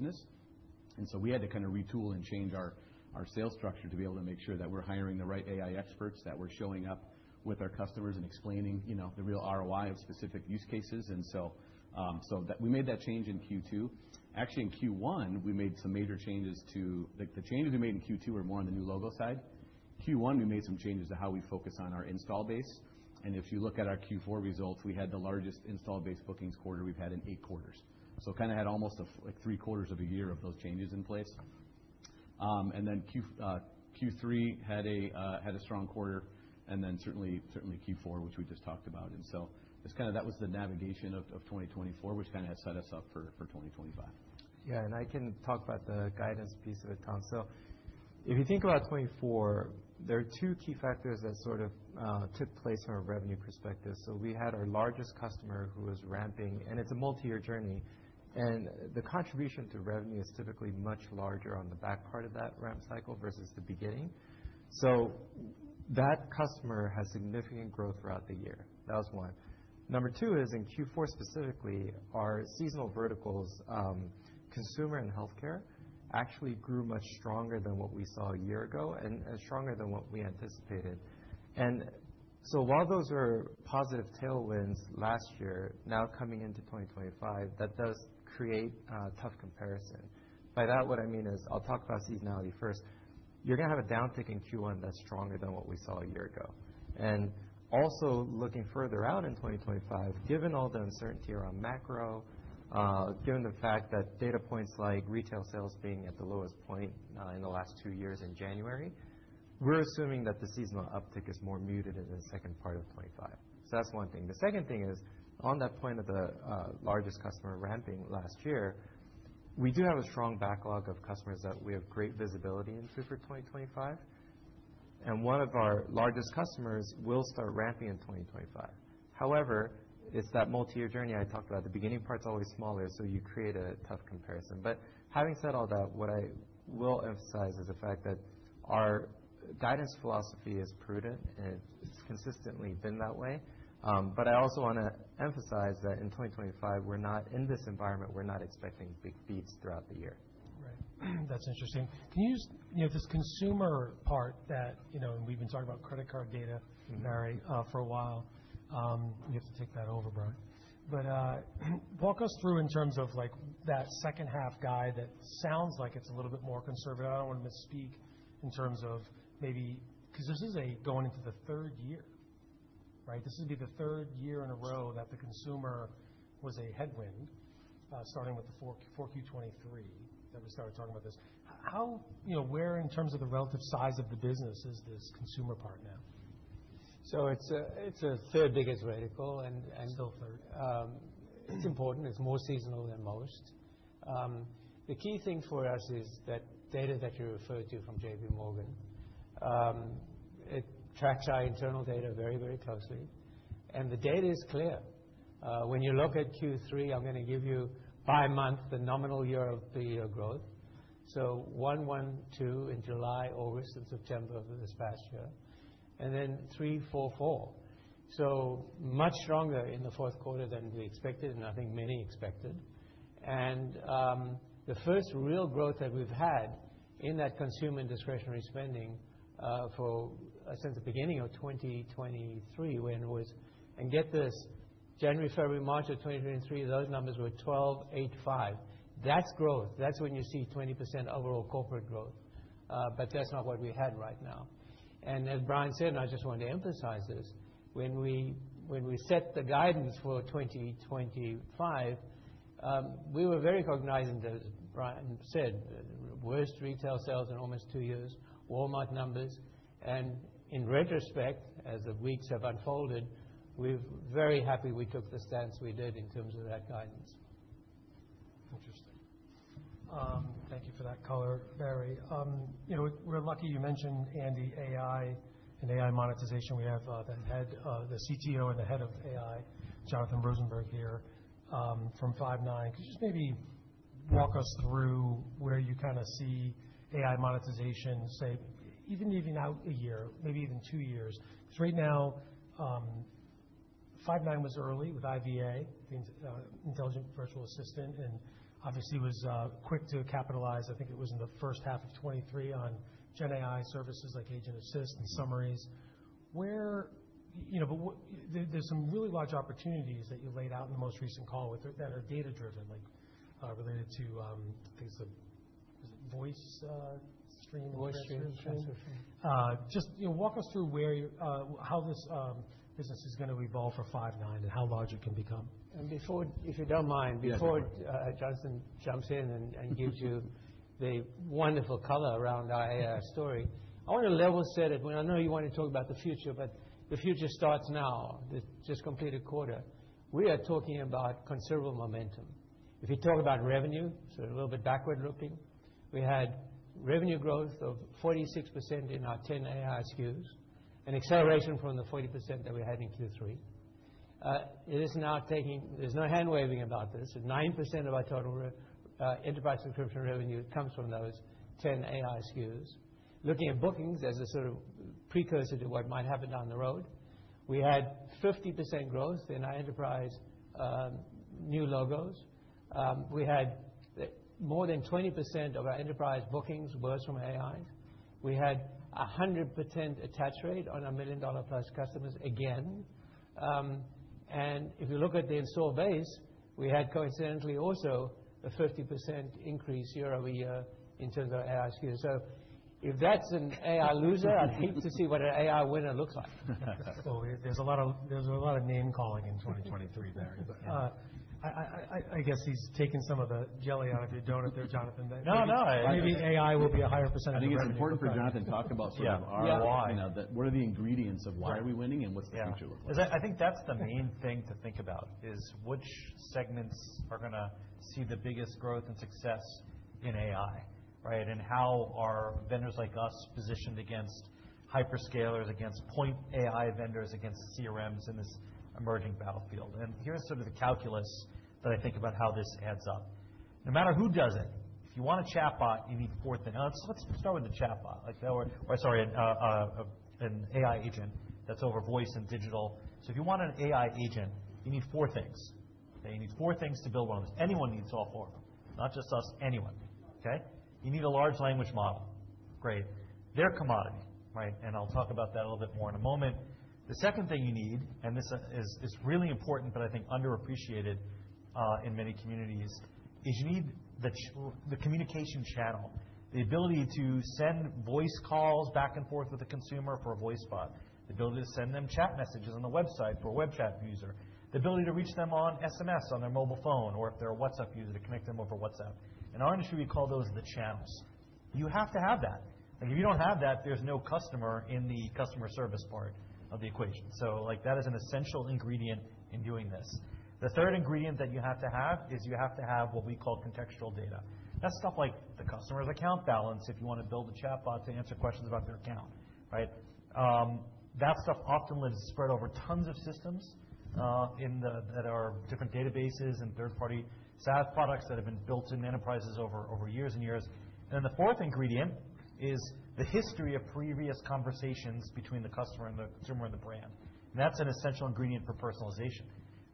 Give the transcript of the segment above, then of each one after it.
Business. We had to kind of retool and change our sales structure to be able to make sure that we're hiring the right AI experts, that we're showing up with our customers and explaining, you know, the real ROI of specific use cases. We made that change in Q2. Actually, in Q1, we made some major changes to the changes we made in Q2, which were more on the new logo side. In Q1, we made some changes to how we focus on our install base. If you look at our Q4 results, we had the largest install base bookings quarter we've had in eight quarters. We kind of had almost three quarters of a year of those changes in place. Q3 had a strong quarter. Certainly, Q4, which we just talked about. It is kind of that was the navigation of 2024, which kind of has set us up for 2025. Yeah. I can talk about the guidance piece of it, Tom. If you think about 2024, there are two key factors that sort of took place from a revenue perspective. We had our largest customer who was ramping, and it's a multi-year journey. The contribution to revenue is typically much larger on the back part of that ramp cycle versus the beginning. That customer has significant growth throughout the year. That was one. Number two is in Q4 specifically, our seasonal verticals, consumer and healthcare, actually grew much stronger than what we saw a year ago and stronger than what we anticipated. While those are positive tailwinds last year, now coming into 2025, that does create a tough comparison. By that, what I mean is I'll talk about seasonality first. You're gonna have a downtick in Q1 that's stronger than what we saw a year ago. Also, looking further out in 2025, given all the uncertainty around macro, given the fact that data points like retail sales being at the lowest point in the last two years in January, we're assuming that the seasonal uptick is more muted in the second part of 2025. That's one thing. The second thing is on that point of the largest customer ramping last year, we do have a strong backlog of customers that we have great visibility into for 2025. One of our largest customers will start ramping in 2025. However, it's that multi-year journey I talked about. The beginning part's always smaller, so you create a tough comparison. Having said all that, what I will emphasize is the fact that our guidance philosophy is prudent, and it's consistently been that way. I also wanna emphasize that in 2025, we're not in this environment, we're not expecting big beats throughout the year. Right. That's interesting. Can you just, you know, this consumer part that, you know, and we've been talking about credit card data. Mm-hmm. Barry, for a while. You have to take that over, Barry. Walk us through in terms of, like, that second half guide that sounds like it's a little bit more conservative. I don't wanna misspeak in terms of maybe 'cause this is going into the third year, right? This would be the third year in a row that the consumer was a headwind, starting with the 4Q23 that we started talking about this. How, how, you know, where in terms of the relative size of the business is this consumer part now? It's a third biggest vertical. Still third. It's important. It's more seasonal than most. The key thing for us is that data that you referred to from JP Morgan, it tracks our internal data very, very closely. And the data is clear. When you look at Q3, I'm gonna give you by month the nominal year-over-year growth. So one, one, two in July, August, and September of this past year. And then three, four, four. Much stronger in the fourth quarter than we expected and I think many expected. The first real growth that we've had in that consumer discretionary spending, for since the beginning of 2023 when it was, and get this, January, February, March of 2023, those numbers were 12, 8, 5. That's growth. That's when you see 20% overall corporate growth. That's not what we had right now. As Bryan said, and I just wanted to emphasize this, when we set the guidance for 2025, we were very cognizant, as Bryan said, worst retail sales in almost two years, Walmart numbers. In retrospect, as the weeks have unfolded, we're very happy we took the stance we did in terms of that guidance. Interesting. Thank you for that color, Barry. You know, we're lucky you mentioned Andy, AI, and AI monetization. We have the CTO and the head of AI, Jonathan Rosenberg, here from Five9. Could you just maybe walk us through where you kind of see AI monetization, say, even out a year, maybe even two years? 'Cause right now, Five9 was early with IVA, the intelligent virtual assistant, and obviously was quick to capitalize. I think it was in the first half of 2023 on GenAI services like Agent Assist and Summaries. Where, you know, but what, there's some really large opportunities that you laid out in the most recent call that are data-driven, like, related to, I think it's the, is it VoiceStream, transcription? Voice transcription. Just, you know, walk us through where, how this business is gonna evolve for Five9 and how large it can become. Before, if you don't mind. Yeah. Before Jonathan jumps in and gives you the wonderful color around our AI story, I wanna level set it. I know you want to talk about the future, but the future starts now. The just completed quarter, we are talking about considerable momentum. If you talk about revenue, so a little bit backward looking, we had revenue growth of 46% in our 10 AI SKUs and acceleration from the 40% that we had in Q3. It is now taking, there's no hand waving about this. 9% of our total enterprise subscription revenue comes from those 10 AI SKUs. Looking at bookings as a sort of precursor to what might happen down the road, we had 50% growth in our enterprise new logos. We had more than 20% of our enterprise bookings was from AIs. We had 100% attach rate on a million dollar plus customers again. If you look at the install base, we had coincidentally also a 50% increase year over year in terms of AI SKUs. So if that's an AI loser, I'd hate to see what an AI winner looks like. There's a lot of name-calling in 2023, Barry. I guess he's taken some of the jelly out of your donut there, Jonathan. No, no. Maybe AI will be a higher %. I think it's important for Jonathan to talk about sort of ROI. Yeah. You know, that what are the ingredients of why are we winning and what's the future look like? Yeah. 'Cause I think that's the main thing to think about is which segments are gonna see the biggest growth and success in AI, right? And how are vendors like us positioned against hyperscalers, against point AI vendors, against CRMs in this emerging battlefield. Here's sort of the calculus that I think about how this adds up. No matter who does it, if you want a chatbot, you need four things. Now let's start with the chatbot. Like, or, or sorry, an AI agent that's over voice and digital. If you want an AI agent, you need four things. Okay? You need four things to build one of those. Anyone needs all four of them, not just us, anyone. Okay? You need a large language model. Great. They're a commodity, right? I'll talk about that a little bit more in a moment. The second thing you need, and this is really important, but I think underappreciated in many communities, is you need the communication channel, the ability to send voice calls back and forth with the consumer for a voice bot, the ability to send them chat messages on the website for a web chat user, the ability to reach them on SMS on their mobile phone or if they're a WhatsApp user to connect them over WhatsApp. In our industry, we call those the channels. You have to have that. Like, if you don't have that, there's no customer in the customer service part of the equation. Like, that is an essential ingredient in doing this. The third ingredient that you have to have is you have to have what we call contextual data. That's stuff like the customer's account balance if you wanna build a chatbot to answer questions about their account, right? That stuff often lives spread over tons of systems, that are different databases and third-party SaaS products that have been built in enterprises over years and years. The fourth ingredient is the history of previous conversations between the customer and the consumer and the brand. That's an essential ingredient for personalization,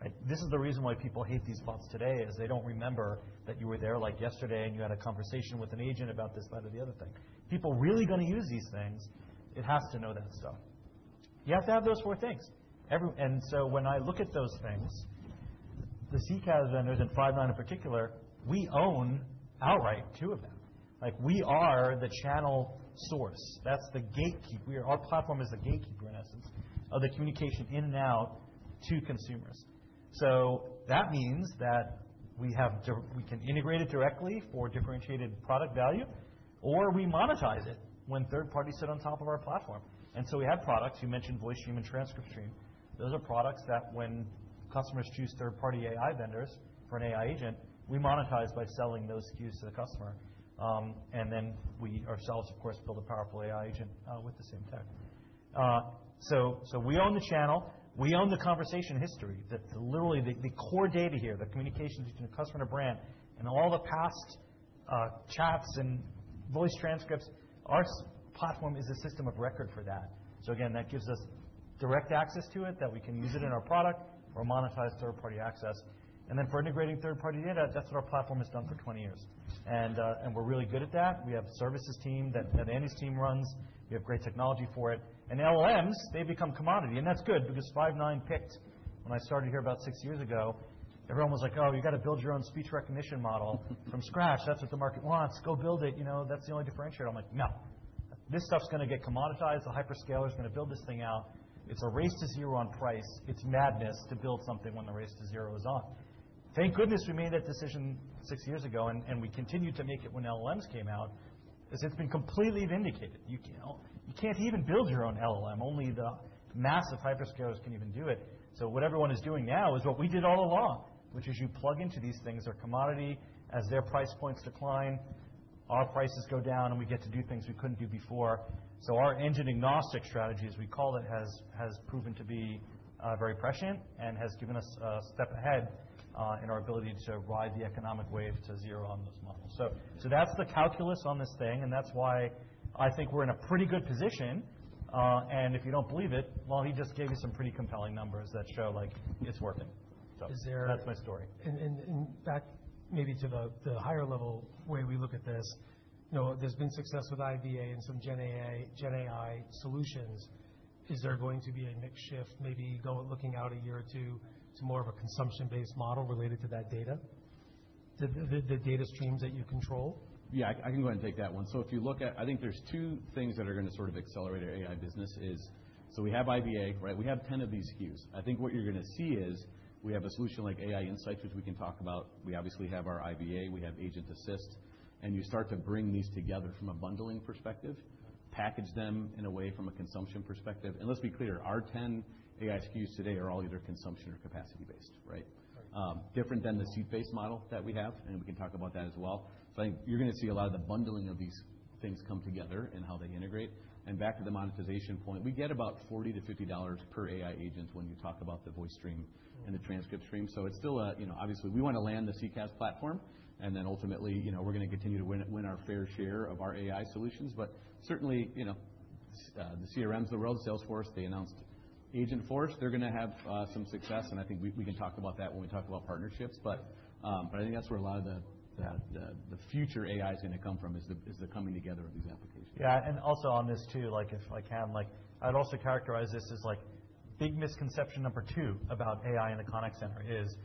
right? This is the reason why people hate these bots today is they don't remember that you were there like yesterday and you had a conversation with an agent about this, that, or the other thing. People really gonna use these things, it has to know that stuff. You have to have those four things. Every, and so when I look at those things, the CCaaS vendors and Five9 in particular, we own outright two of them. Like, we are the channel source. That's the gatekeeper. We are, our platform is the gatekeeper in essence of the communication in and out to consumers. That means that we have dir, we can integrate it directly for differentiated product value, or we monetize it when third parties sit on top of our platform. We have products. You mentioned Voice Stream and TranscriptStream. Those are products that when customers choose third-party AI vendors for an AI agent, we monetize by selling those SKUs to the customer. We ourselves, of course, build a powerful AI agent, with the same tech. We own the channel. We own the conversation history. That's literally the core data here, the communications between a customer and a brand and all the past chats and voice transcripts. Our platform is a system of record for that. That gives us direct access to it that we can use in our product or monetize third-party access. For integrating third-party data, that's what our platform has done for 20 years, and we're really good at that. We have a services team that Andy's team runs. We have great technology for it. LLMs, they become commodity. That's good because Five9 picked when I started here about six years ago, everyone was like, "Oh, you gotta build your own speech recognition model from scratch. That's what the market wants. Go build it." You know, that's the only differentiator. I'm like, "No. This stuff's gonna get commoditized. The hyperscaler's gonna build this thing out. It's a race to zero on price. It's madness to build something when the race to zero is on. Thank goodness we made that decision six years ago, and we continued to make it when LLMs came out. It's been completely vindicated. You can't, you can't even build your own LLM. Only the massive hyperscalers can even do it. What everyone is doing now is what we did all along, which is you plug into these things. They're commodity. As their price points decline, our prices go down and we get to do things we couldn't do before. Our engine-agnostic strategy, as we call it, has proven to be very prescient and has given us a step ahead in our ability to ride the economic wave to zero on those models. That's the calculus on this thing. That's why I think we're in a pretty good position. If you don't believe it, he just gave you some pretty compelling numbers that show, like, it's working. Is there. That's my story. Back maybe to the higher level way we look at this, you know, there's been success with IVA and some GenAI, GenAI solutions. Is there going to be a mixed shift, maybe go looking out a year or two to more of a consumption-based model related to that data, the data streams that you control? Yeah. I can go ahead and take that one. If you look at, I think there's two things that are gonna sort of accelerate our AI business is, so we have IVA, right? We have 10 of these SKUs. I think what you're gonna see is we have a solution like AI Insights, which we can talk about. We obviously have our IVA. We have Agent Assist. You start to bring these together from a bundling perspective, package them in a way from a consumption perspective. Let's be clear, our 10 AI SKUs today are all either consumption or capacity-based, right? Different than the seat-based model that we have. We can talk about that as well. I think you're gonna see a lot of the bundling of these things come together and how they integrate. Back to the monetization point, we get about $40-$50 per AI agent when you talk about the Voice Stream and the Transcript Stream. It is still a, you know, obviously we wanna land the CCaaS platform. Ultimately, you know, we're gonna continue to win, win our fair share of our AI solutions. Certainly, you know, the CRMs of the world, Salesforce, they announced Agentforce. They're gonna have some success. I think we, we can talk about that when we talk about partnerships. I think that's where a lot of the future AI is gonna come from, is the coming together of these applications. Yeah. Also on this too, like, if I can, like, I'd also characterize this as like big misconception number two about AI in the contact center is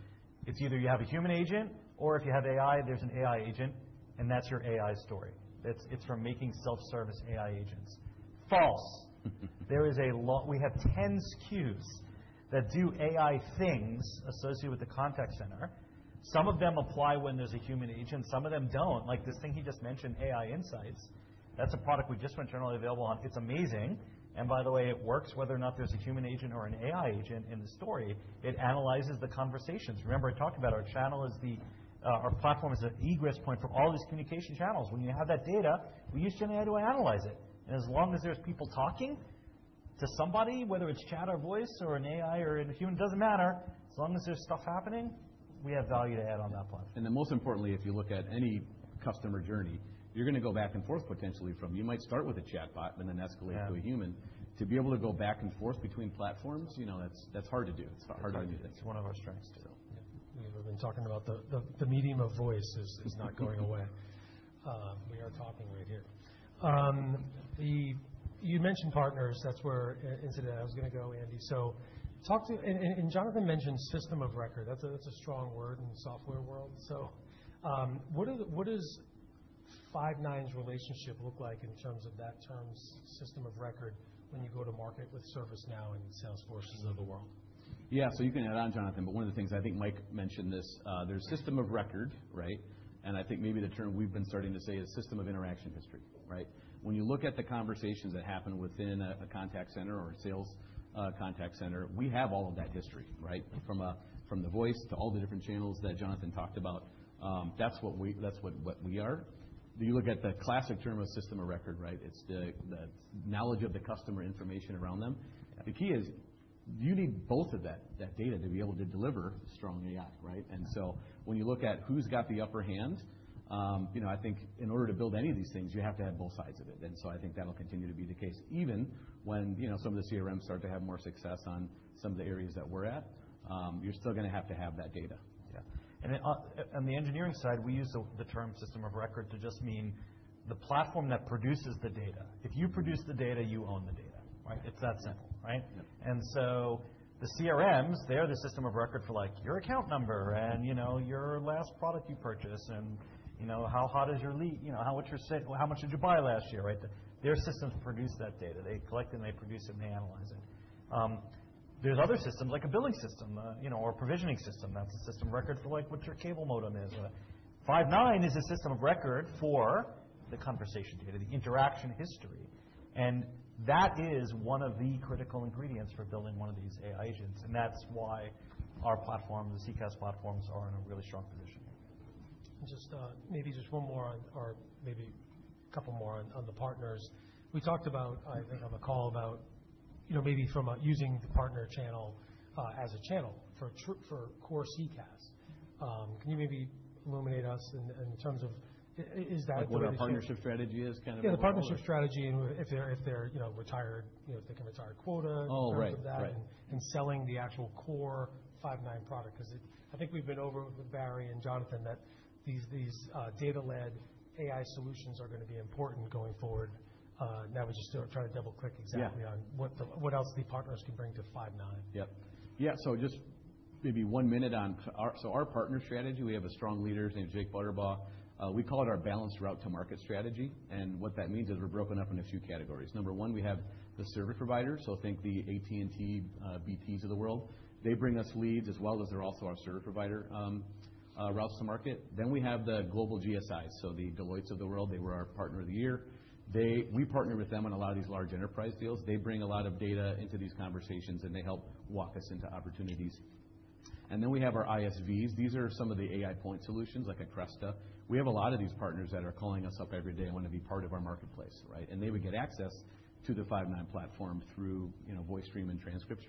it's either you have a human agent or if you have AI, there's an AI agent and that's your AI story. It's from making self-service AI agents. False. There is a lot, we have 10 SKUs that do AI things associated with the contact center. Some of them apply when there's a human agent. Some of them don't. Like this thing he just mentioned, AI Insights, that's a product we just went generally available on. It's amazing. By the way, it works whether or not there's a human agent or an AI agent in the story. It analyzes the conversations. Remember I talked about our channel as the, our platform is an egress point for all these communication channels. When you have that data, we use GenAI to analyze it. As long as there's people talking to somebody, whether it's chat or voice or an AI or a human, doesn't matter. As long as there's stuff happening, we have value to add on that platform. Most importantly, if you look at any customer journey, you're gonna go back and forth potentially from, you might start with a chatbot and then escalate to a human. Yeah. To be able to go back and forth between platforms, you know, that's hard to do. It's hard to do things. It's one of our strengths too. So. Yeah. I mean, we've been talking about the, the medium of voice is not going away. We are talking right here. You mentioned partners. That's where I inserted. I was gonna go, Andy. Talk to, and Jonathan mentioned system of record. That's a strong word in the software world. What does Five9's relationship look like in terms of that term, system of record, when you go to market with ServiceNow and Salesforce of the world? Yeah. You can add on, Jonathan, but one of the things I think Mike mentioned is, there's system of record, right? I think maybe the term we've been starting to say is system of interaction history, right? When you look at the conversations that happen within a contact center or a sales contact center, we have all of that history, right? From the voice to all the different channels that Jonathan talked about. That's what we are. You look at the classic term of system of record, right? It's the knowledge of the customer information around them. The key is you need both of that data to be able to deliver strong AI, right? When you look at who's got the upper hand, you know, I think in order to build any of these things, you have to have both sides of it. I think that'll continue to be the case even when, you know, some of the CRMs start to have more success on some of the areas that we're at. You're still gonna have to have that data. Yeah. On the engineering side, we use the term system of record to just mean the platform that produces the data. If you produce the data, you own the data, right? It's that simple, right? Yep. The CRMs, they're the system of record for like your account number and, you know, your last product you purchased and, you know, how hot is your leak, you know, how much did you buy last year, right? Their systems produce that data. They collect it and they produce it and they analyze it. There's other systems like a billing system, you know, or a provisioning system. That's a system of record for like what your cable modem is. Five9 is a system of record for the conversation data, the interaction history. That is one of the critical ingredients for building one of these AI agents. That is why our platform, the CCaaS platforms, are in a really strong position here. Maybe just one more on, or maybe a couple more on, on the partners. We talked about, I think on the call about, you know, maybe from a using the partner channel, as a channel for, for core CCaaS. Can you maybe illuminate us in, in terms of, is that what it is? What the partnership strategy is, kind of? Yeah. The partnership strategy and if they're, if they're, you know, retired, you know, if they can retire quota. Oh, right. Things like that, and selling the actual core Five9 product. 'Cause I think we've been over with Barry and Jonathan that these data-led AI solutions are gonna be important going forward. Now we just still try to double-click exactly on what else the partners can bring to Five9. Yep. Yeah. Just maybe one minute on our, so our partner strategy, we have a strong leader named Jake Butterfield. We call it our balanced route to market strategy. What that means is we're broken up into two categories. Number one, we have the service providers. Think the AT&T, BTs of the world. They bring us leads as well as they're also our service provider routes to market. We have the global GSIs. The Deloittes of the world, they were our partner of the year. We partner with them on a lot of these large enterprise deals. They bring a lot of data into these conversations and they help walk us into opportunities. We have our ISVs. These are some of the AI point solutions like Cresta. We have a lot of these partners that are calling us up every day and wanna be part of our marketplace, right? They would get access to the Five9 platform through, you know, Voice Stream and Transcript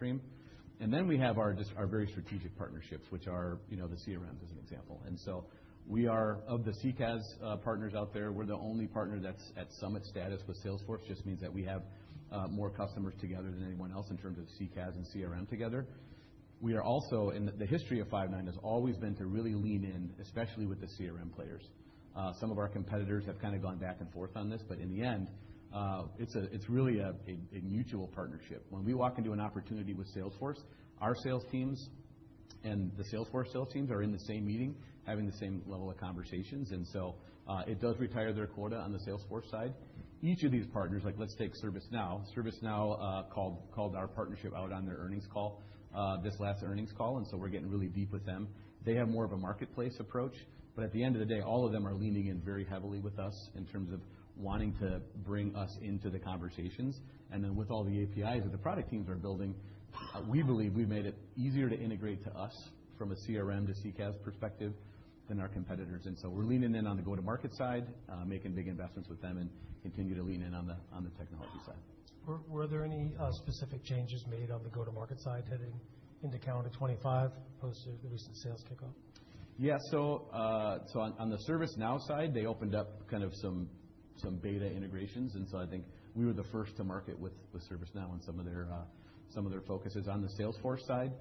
Stream. We have our very strategic partnerships, which are, you know, the CRMs as an example. We are, of the CCaaS partners out there, the only partner that's at summit status with Salesforce. That just means that we have more customers together than anyone else in terms of CCaaS and CRM together. The history of Five9 has always been to really lean in, especially with the CRM players. Some of our competitors have kinda gone back and forth on this, but in the end, it's really a mutual partnership. When we walk into an opportunity with Salesforce, our sales teams and the Salesforce sales teams are in the same meeting having the same level of conversations. It does retire their quota on the Salesforce side. Each of these partners, like let's take ServiceNow, ServiceNow called our partnership out on their earnings call, this last earnings call. We are getting really deep with them. They have more of a marketplace approach. At the end of the day, all of them are leaning in very heavily with us in terms of wanting to bring us into the conversations. With all the APIs that the product teams are building, we believe we've made it easier to integrate to us from a CRM to CCaaS perspective than our competitors. We're leaning in on the go-to-market side, making big investments with them and continue to lean in on the technology side. Were there any specific changes made on the go-to-market side heading into calendar 2025 post the recent sales kickoff? Yeah. On the ServiceNow side, they opened up kind of some beta integrations. I think we were the first to market with ServiceNow and some of their focuses. On the Salesforce side,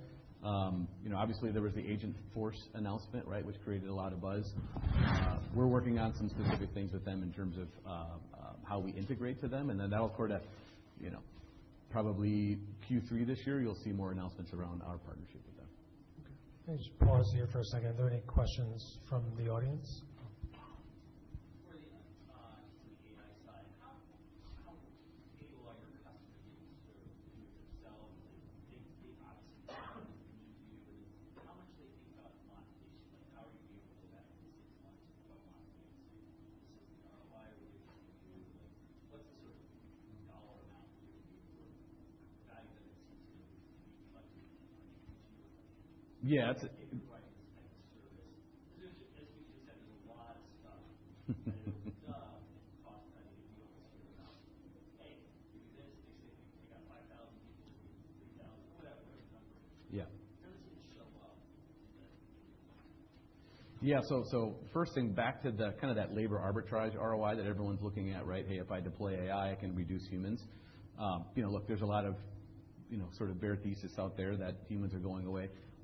you know, obviously there was the Agent Force announcement, right, which created a lot of buzz. We're working on some specific things with them in terms of how we integrate to them. That'll sort of, you know, probably Q3 this year, you'll see more announcements around our partnership with them. Okay. Thanks. Pause here for a second. Are there any questions from the audience?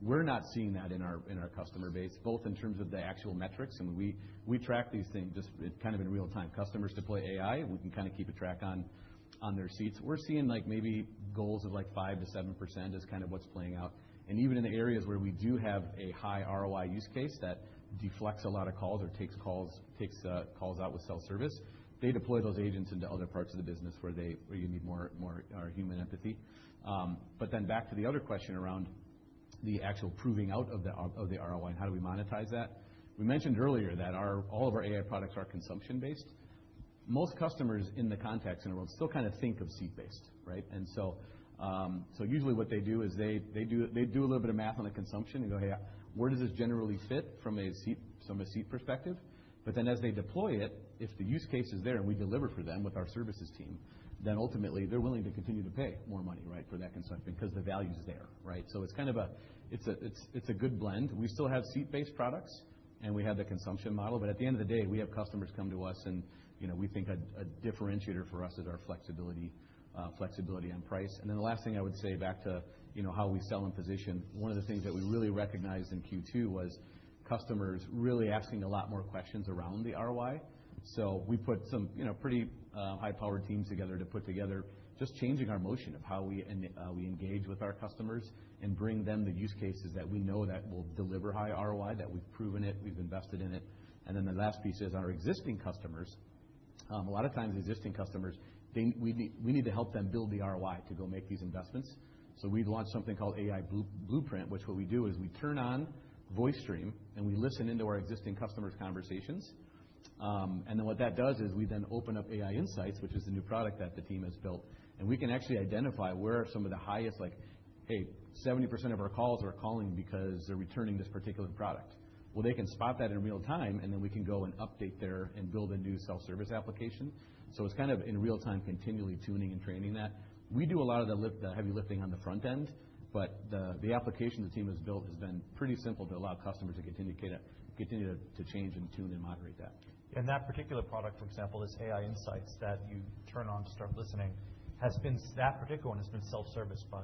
We're not seeing that in our customer base, both in terms of the actual metrics. And we track these things just kind of in real time. Customers deploy AI, we can kinda keep a track on their seats. We're seeing like maybe goals of like 5-7% is kind of what's playing out. Even in the areas where we do have a high ROI use case that deflects a lot of calls or takes calls out with self-service, they deploy those agents into other parts of the business where you need more human empathy. Back to the other question around the actual proving out of the ROI and how do we monetize that. We mentioned earlier that all of our AI products are consumption-based. Most customers in the contact center world still kind of think of seat-based, right? Usually what they do is they do a little bit of math on the consumption and go, hey, where does this generally fit from a seat perspective? As they deploy it, if the use case is there and we deliver for them with our services team, ultimately they're willing to continue to pay more money, right, for that consumption because the value's there, right? It's kind of a, it's a, it's a good blend. We still have seat-based products and we have the consumption model. At the end of the day, we have customers come to us and, you know, we think a differentiator for us is our flexibility, flexibility on price. The last thing I would say back to, you know, how we sell and position, one of the things that we really recognized in Q2 was customers really asking a lot more questions around the ROI. We put some, you know, pretty high-powered teams together to put together just changing our motion of how we engage with our customers and bring them the use cases that we know that will deliver high ROI, that we've proven it, we've invested in it. The last piece is our existing customers. A lot of times existing customers, they, we need, we need to help them build the ROI to go make these investments. We've launched something called AI Blueprint, which what we do is we turn on Voice Stream and we listen into our existing customers' conversations. What that does is we then open up AI Insights, which is the new product that the team has built. We can actually identify where are some of the highest, like, hey, 70% of our calls are calling because they're returning this particular product. They can spot that in real time and then we can go and update their and build a new self-service application. It is kind of in real time continually tuning and training that. We do a lot of the lift, the heavy lifting on the front end, but the application the team has built has been pretty simple to allow customers to continue to, continue to, to change and tune and moderate that. That particular product, for example, this AI Insights that you turn on to start listening, has been, that particular one has been self-serviced by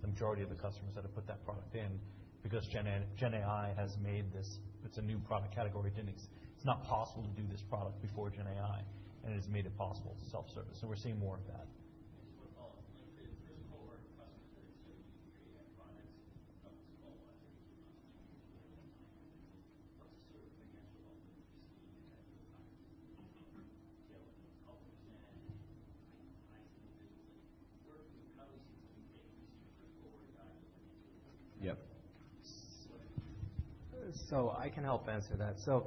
the majority of the customers that have put that product in because GenAI, GenAI has made this, it is a new product category. It did not, it was not possible to do this product before GenAI and it has made it possible self-service. We are seeing more of that. Thanks for the call. Like, for the typical customers that are excited to hear AI products up to 12 months, maybe 2 months, maybe even more than that time, what's the sort of financial outlook you're seeing at those times? You know, help understand, how to price in the business. Like, where can you, how do you see something taking this in a vertical or diagonal financial outcome? Yep. I can help answer that. A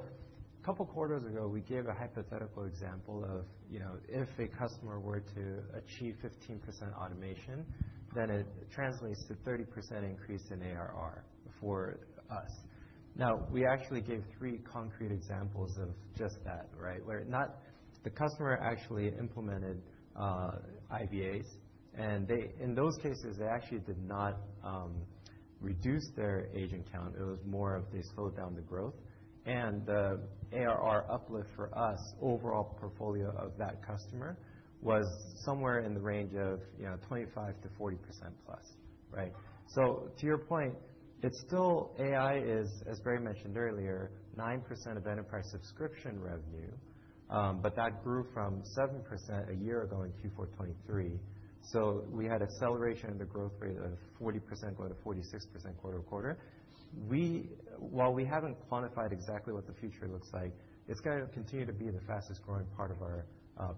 couple quarters ago, we gave a hypothetical example of, you know, if a customer were to achieve 15% automation, then it translates to 30% increase in ARR for us. Now, we actually gave three concrete examples of just that, right? Where the customer actually implemented IVAs and they, in those cases, they actually did not reduce their agent count. It was more of they slowed down the growth. The ARR uplift for us, overall portfolio of that customer was somewhere in the range of, you know, 25-40% plus, right? To your point, it's still AI is, as Barry mentioned earlier, 9% of enterprise subscription revenue, but that grew from 7% a year ago in Q4 2023. We had acceleration in the growth rate of 40% going to 46% quarter to quarter. While we haven't quantified exactly what the future looks like, it's gonna continue to be the fastest growing part of our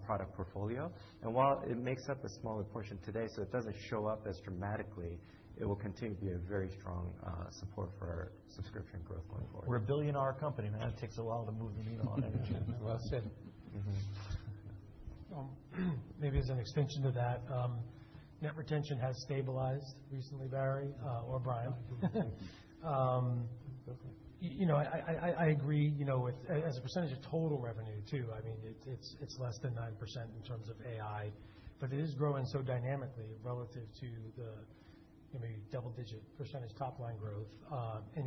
product portfolio. While it makes up a smaller portion today, so it doesn't show up as dramatically, it will continue to be a very strong support for our subscription growth going forward. We're a billion-dollar company. Man, it takes a while to move the needle on energy. Well said. Mm-hmm. Maybe as an extension to that, net retention has stabilized recently, Barry, or Bryan. You know, I agree, you know, with, as a percentage of total revenue too. I mean, it's less than 9% in terms of AI, but it is growing so dynamically relative to the, you know, maybe double-digit percentage top-line growth.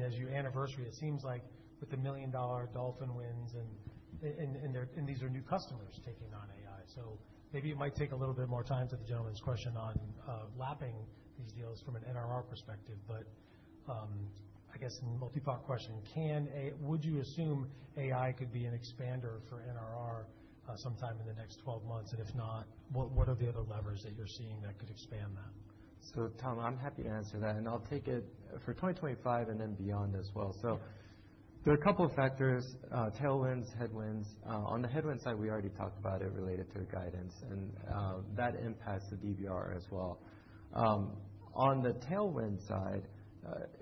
As you anniversary, it seems like with the million-dollar plus wins, and these are new customers taking on AI. Maybe it might take a little bit more time to the gentleman's question on lapping these deals from an NRR perspective. I guess in multi-part question, can A, would you assume AI could be an expander for NRR sometime in the next 12 months? If not, what are the other levers that you're seeing that could expand that? Tom, I'm happy to answer that. I'll take it for 2025 and then beyond as well. There are a couple of factors, tailwinds, headwinds. On the headwind side, we already talked about it related to guidance and that impacts the DBRR as well. On the tailwind side,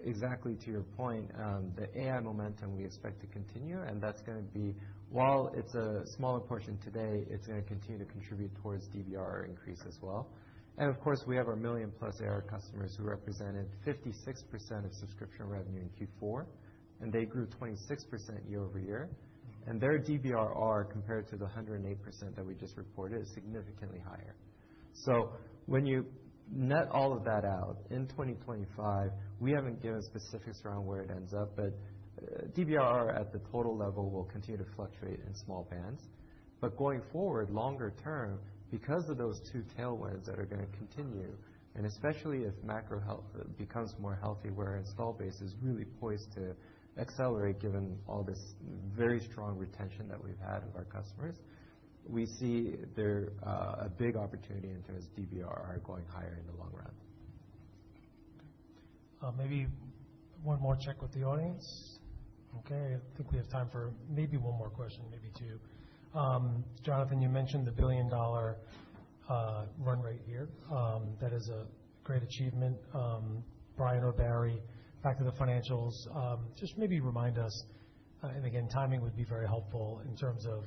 exactly to your point, the AI momentum we expect to continue. That's gonna be, while it's a smaller portion today, it's gonna continue to contribute towards DBRR increase as well. Of course, we have our million-plus ARR customers who represented 56% of subscription revenue in Q4, and they grew 26% year over year. Their DBRR compared to the 108% that we just reported is significantly higher. When you net all of that out in 2025, we haven't given specifics around where it ends up, but DBRR at the total level will continue to fluctuate in small bands. Going forward, longer term, because of those two tailwinds that are gonna continue, and especially if macro health becomes more healthy, where install base is really poised to accelerate given all this very strong retention that we've had of our customers, we see there a big opportunity in terms of DBRR going higher in the long run. Okay. Maybe one more check with the audience. Okay. I think we have time for maybe one more question, maybe two. Jonathan, you mentioned the billion-dollar run rate here. That is a great achievement. Bryan or Barry, back to the financials, just maybe remind us, and again, timing would be very helpful in terms of,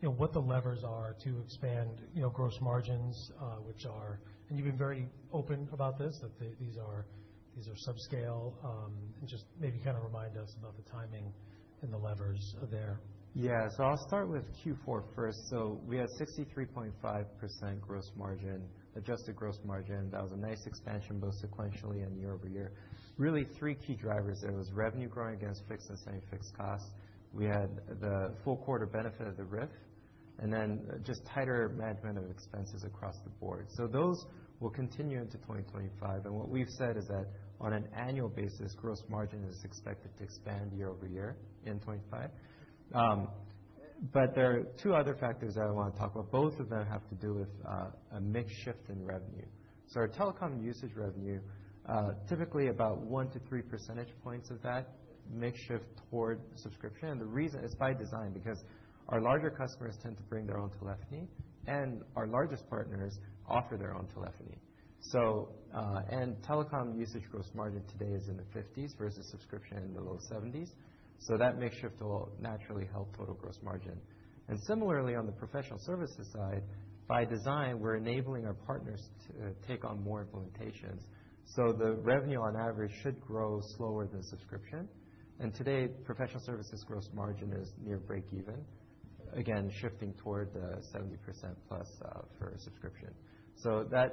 you know, what the levers are to expand, you know, gross margins, which are, and you've been very open about this, that these are, these are subscale, and just maybe kind of remind us about the timing and the levers there. Yeah. I'll start with Q4 first. We had 63.5% gross margin, adjusted gross margin. That was a nice expansion both sequentially and year-over-year. Really three key drivers there. It was revenue growing against fixed and semi-fixed costs. We had the full quarter benefit of the RIF and then just tighter management of expenses across the board. Those will continue into 2025. What we've said is that on an annual basis, gross margin is expected to expand year over-year in 2025. There are two other factors that I want to talk about. Both of them have to do with a mix shift in revenue. Our telecom usage revenue, typically about one to three percentage points of that mix shift toward subscription. The reason is by design because our larger customers tend to bring their own telephony and our largest partners offer their own telephony. Telecom usage gross margin today is in the 50s versus subscription in the low 70s. That mix shift will naturally help total gross margin. Similarly, on the professional services side, by design, we're enabling our partners to take on more implementations. The revenue on average should grow slower than subscription. Today, professional services gross margin is near break-even, again, shifting toward the 70% plus for subscription. That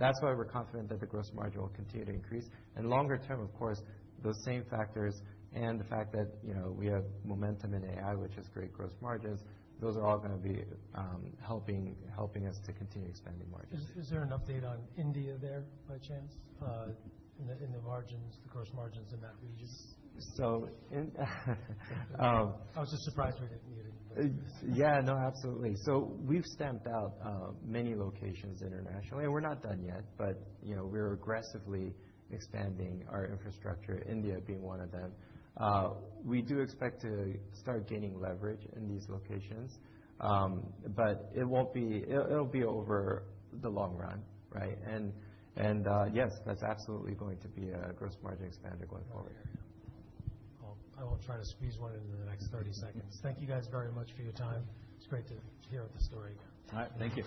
is why we're confident that the gross margin will continue to increase. Longer term, of course, those same factors and the fact that, you know, we have momentum in AI, which has great gross margins, those are all gonna be helping us to continue expanding margins. Is there an update on India there by chance, in the margins, the gross margins in that region? So in, I was just surprised we didn't need anything. Yeah. No, absolutely. We've stamped out many locations internationally. We're not done yet, but, you know, we're aggressively expanding our infrastructure, India being one of them. We do expect to start gaining leverage in these locations, but it will be over the long run, right? Yes, that's absolutely going to be a gross margin expander going forward. I won't try to squeeze one into the next 30 seconds. Thank you guys very much for your time. It's great to hear the story. All right. Thank you.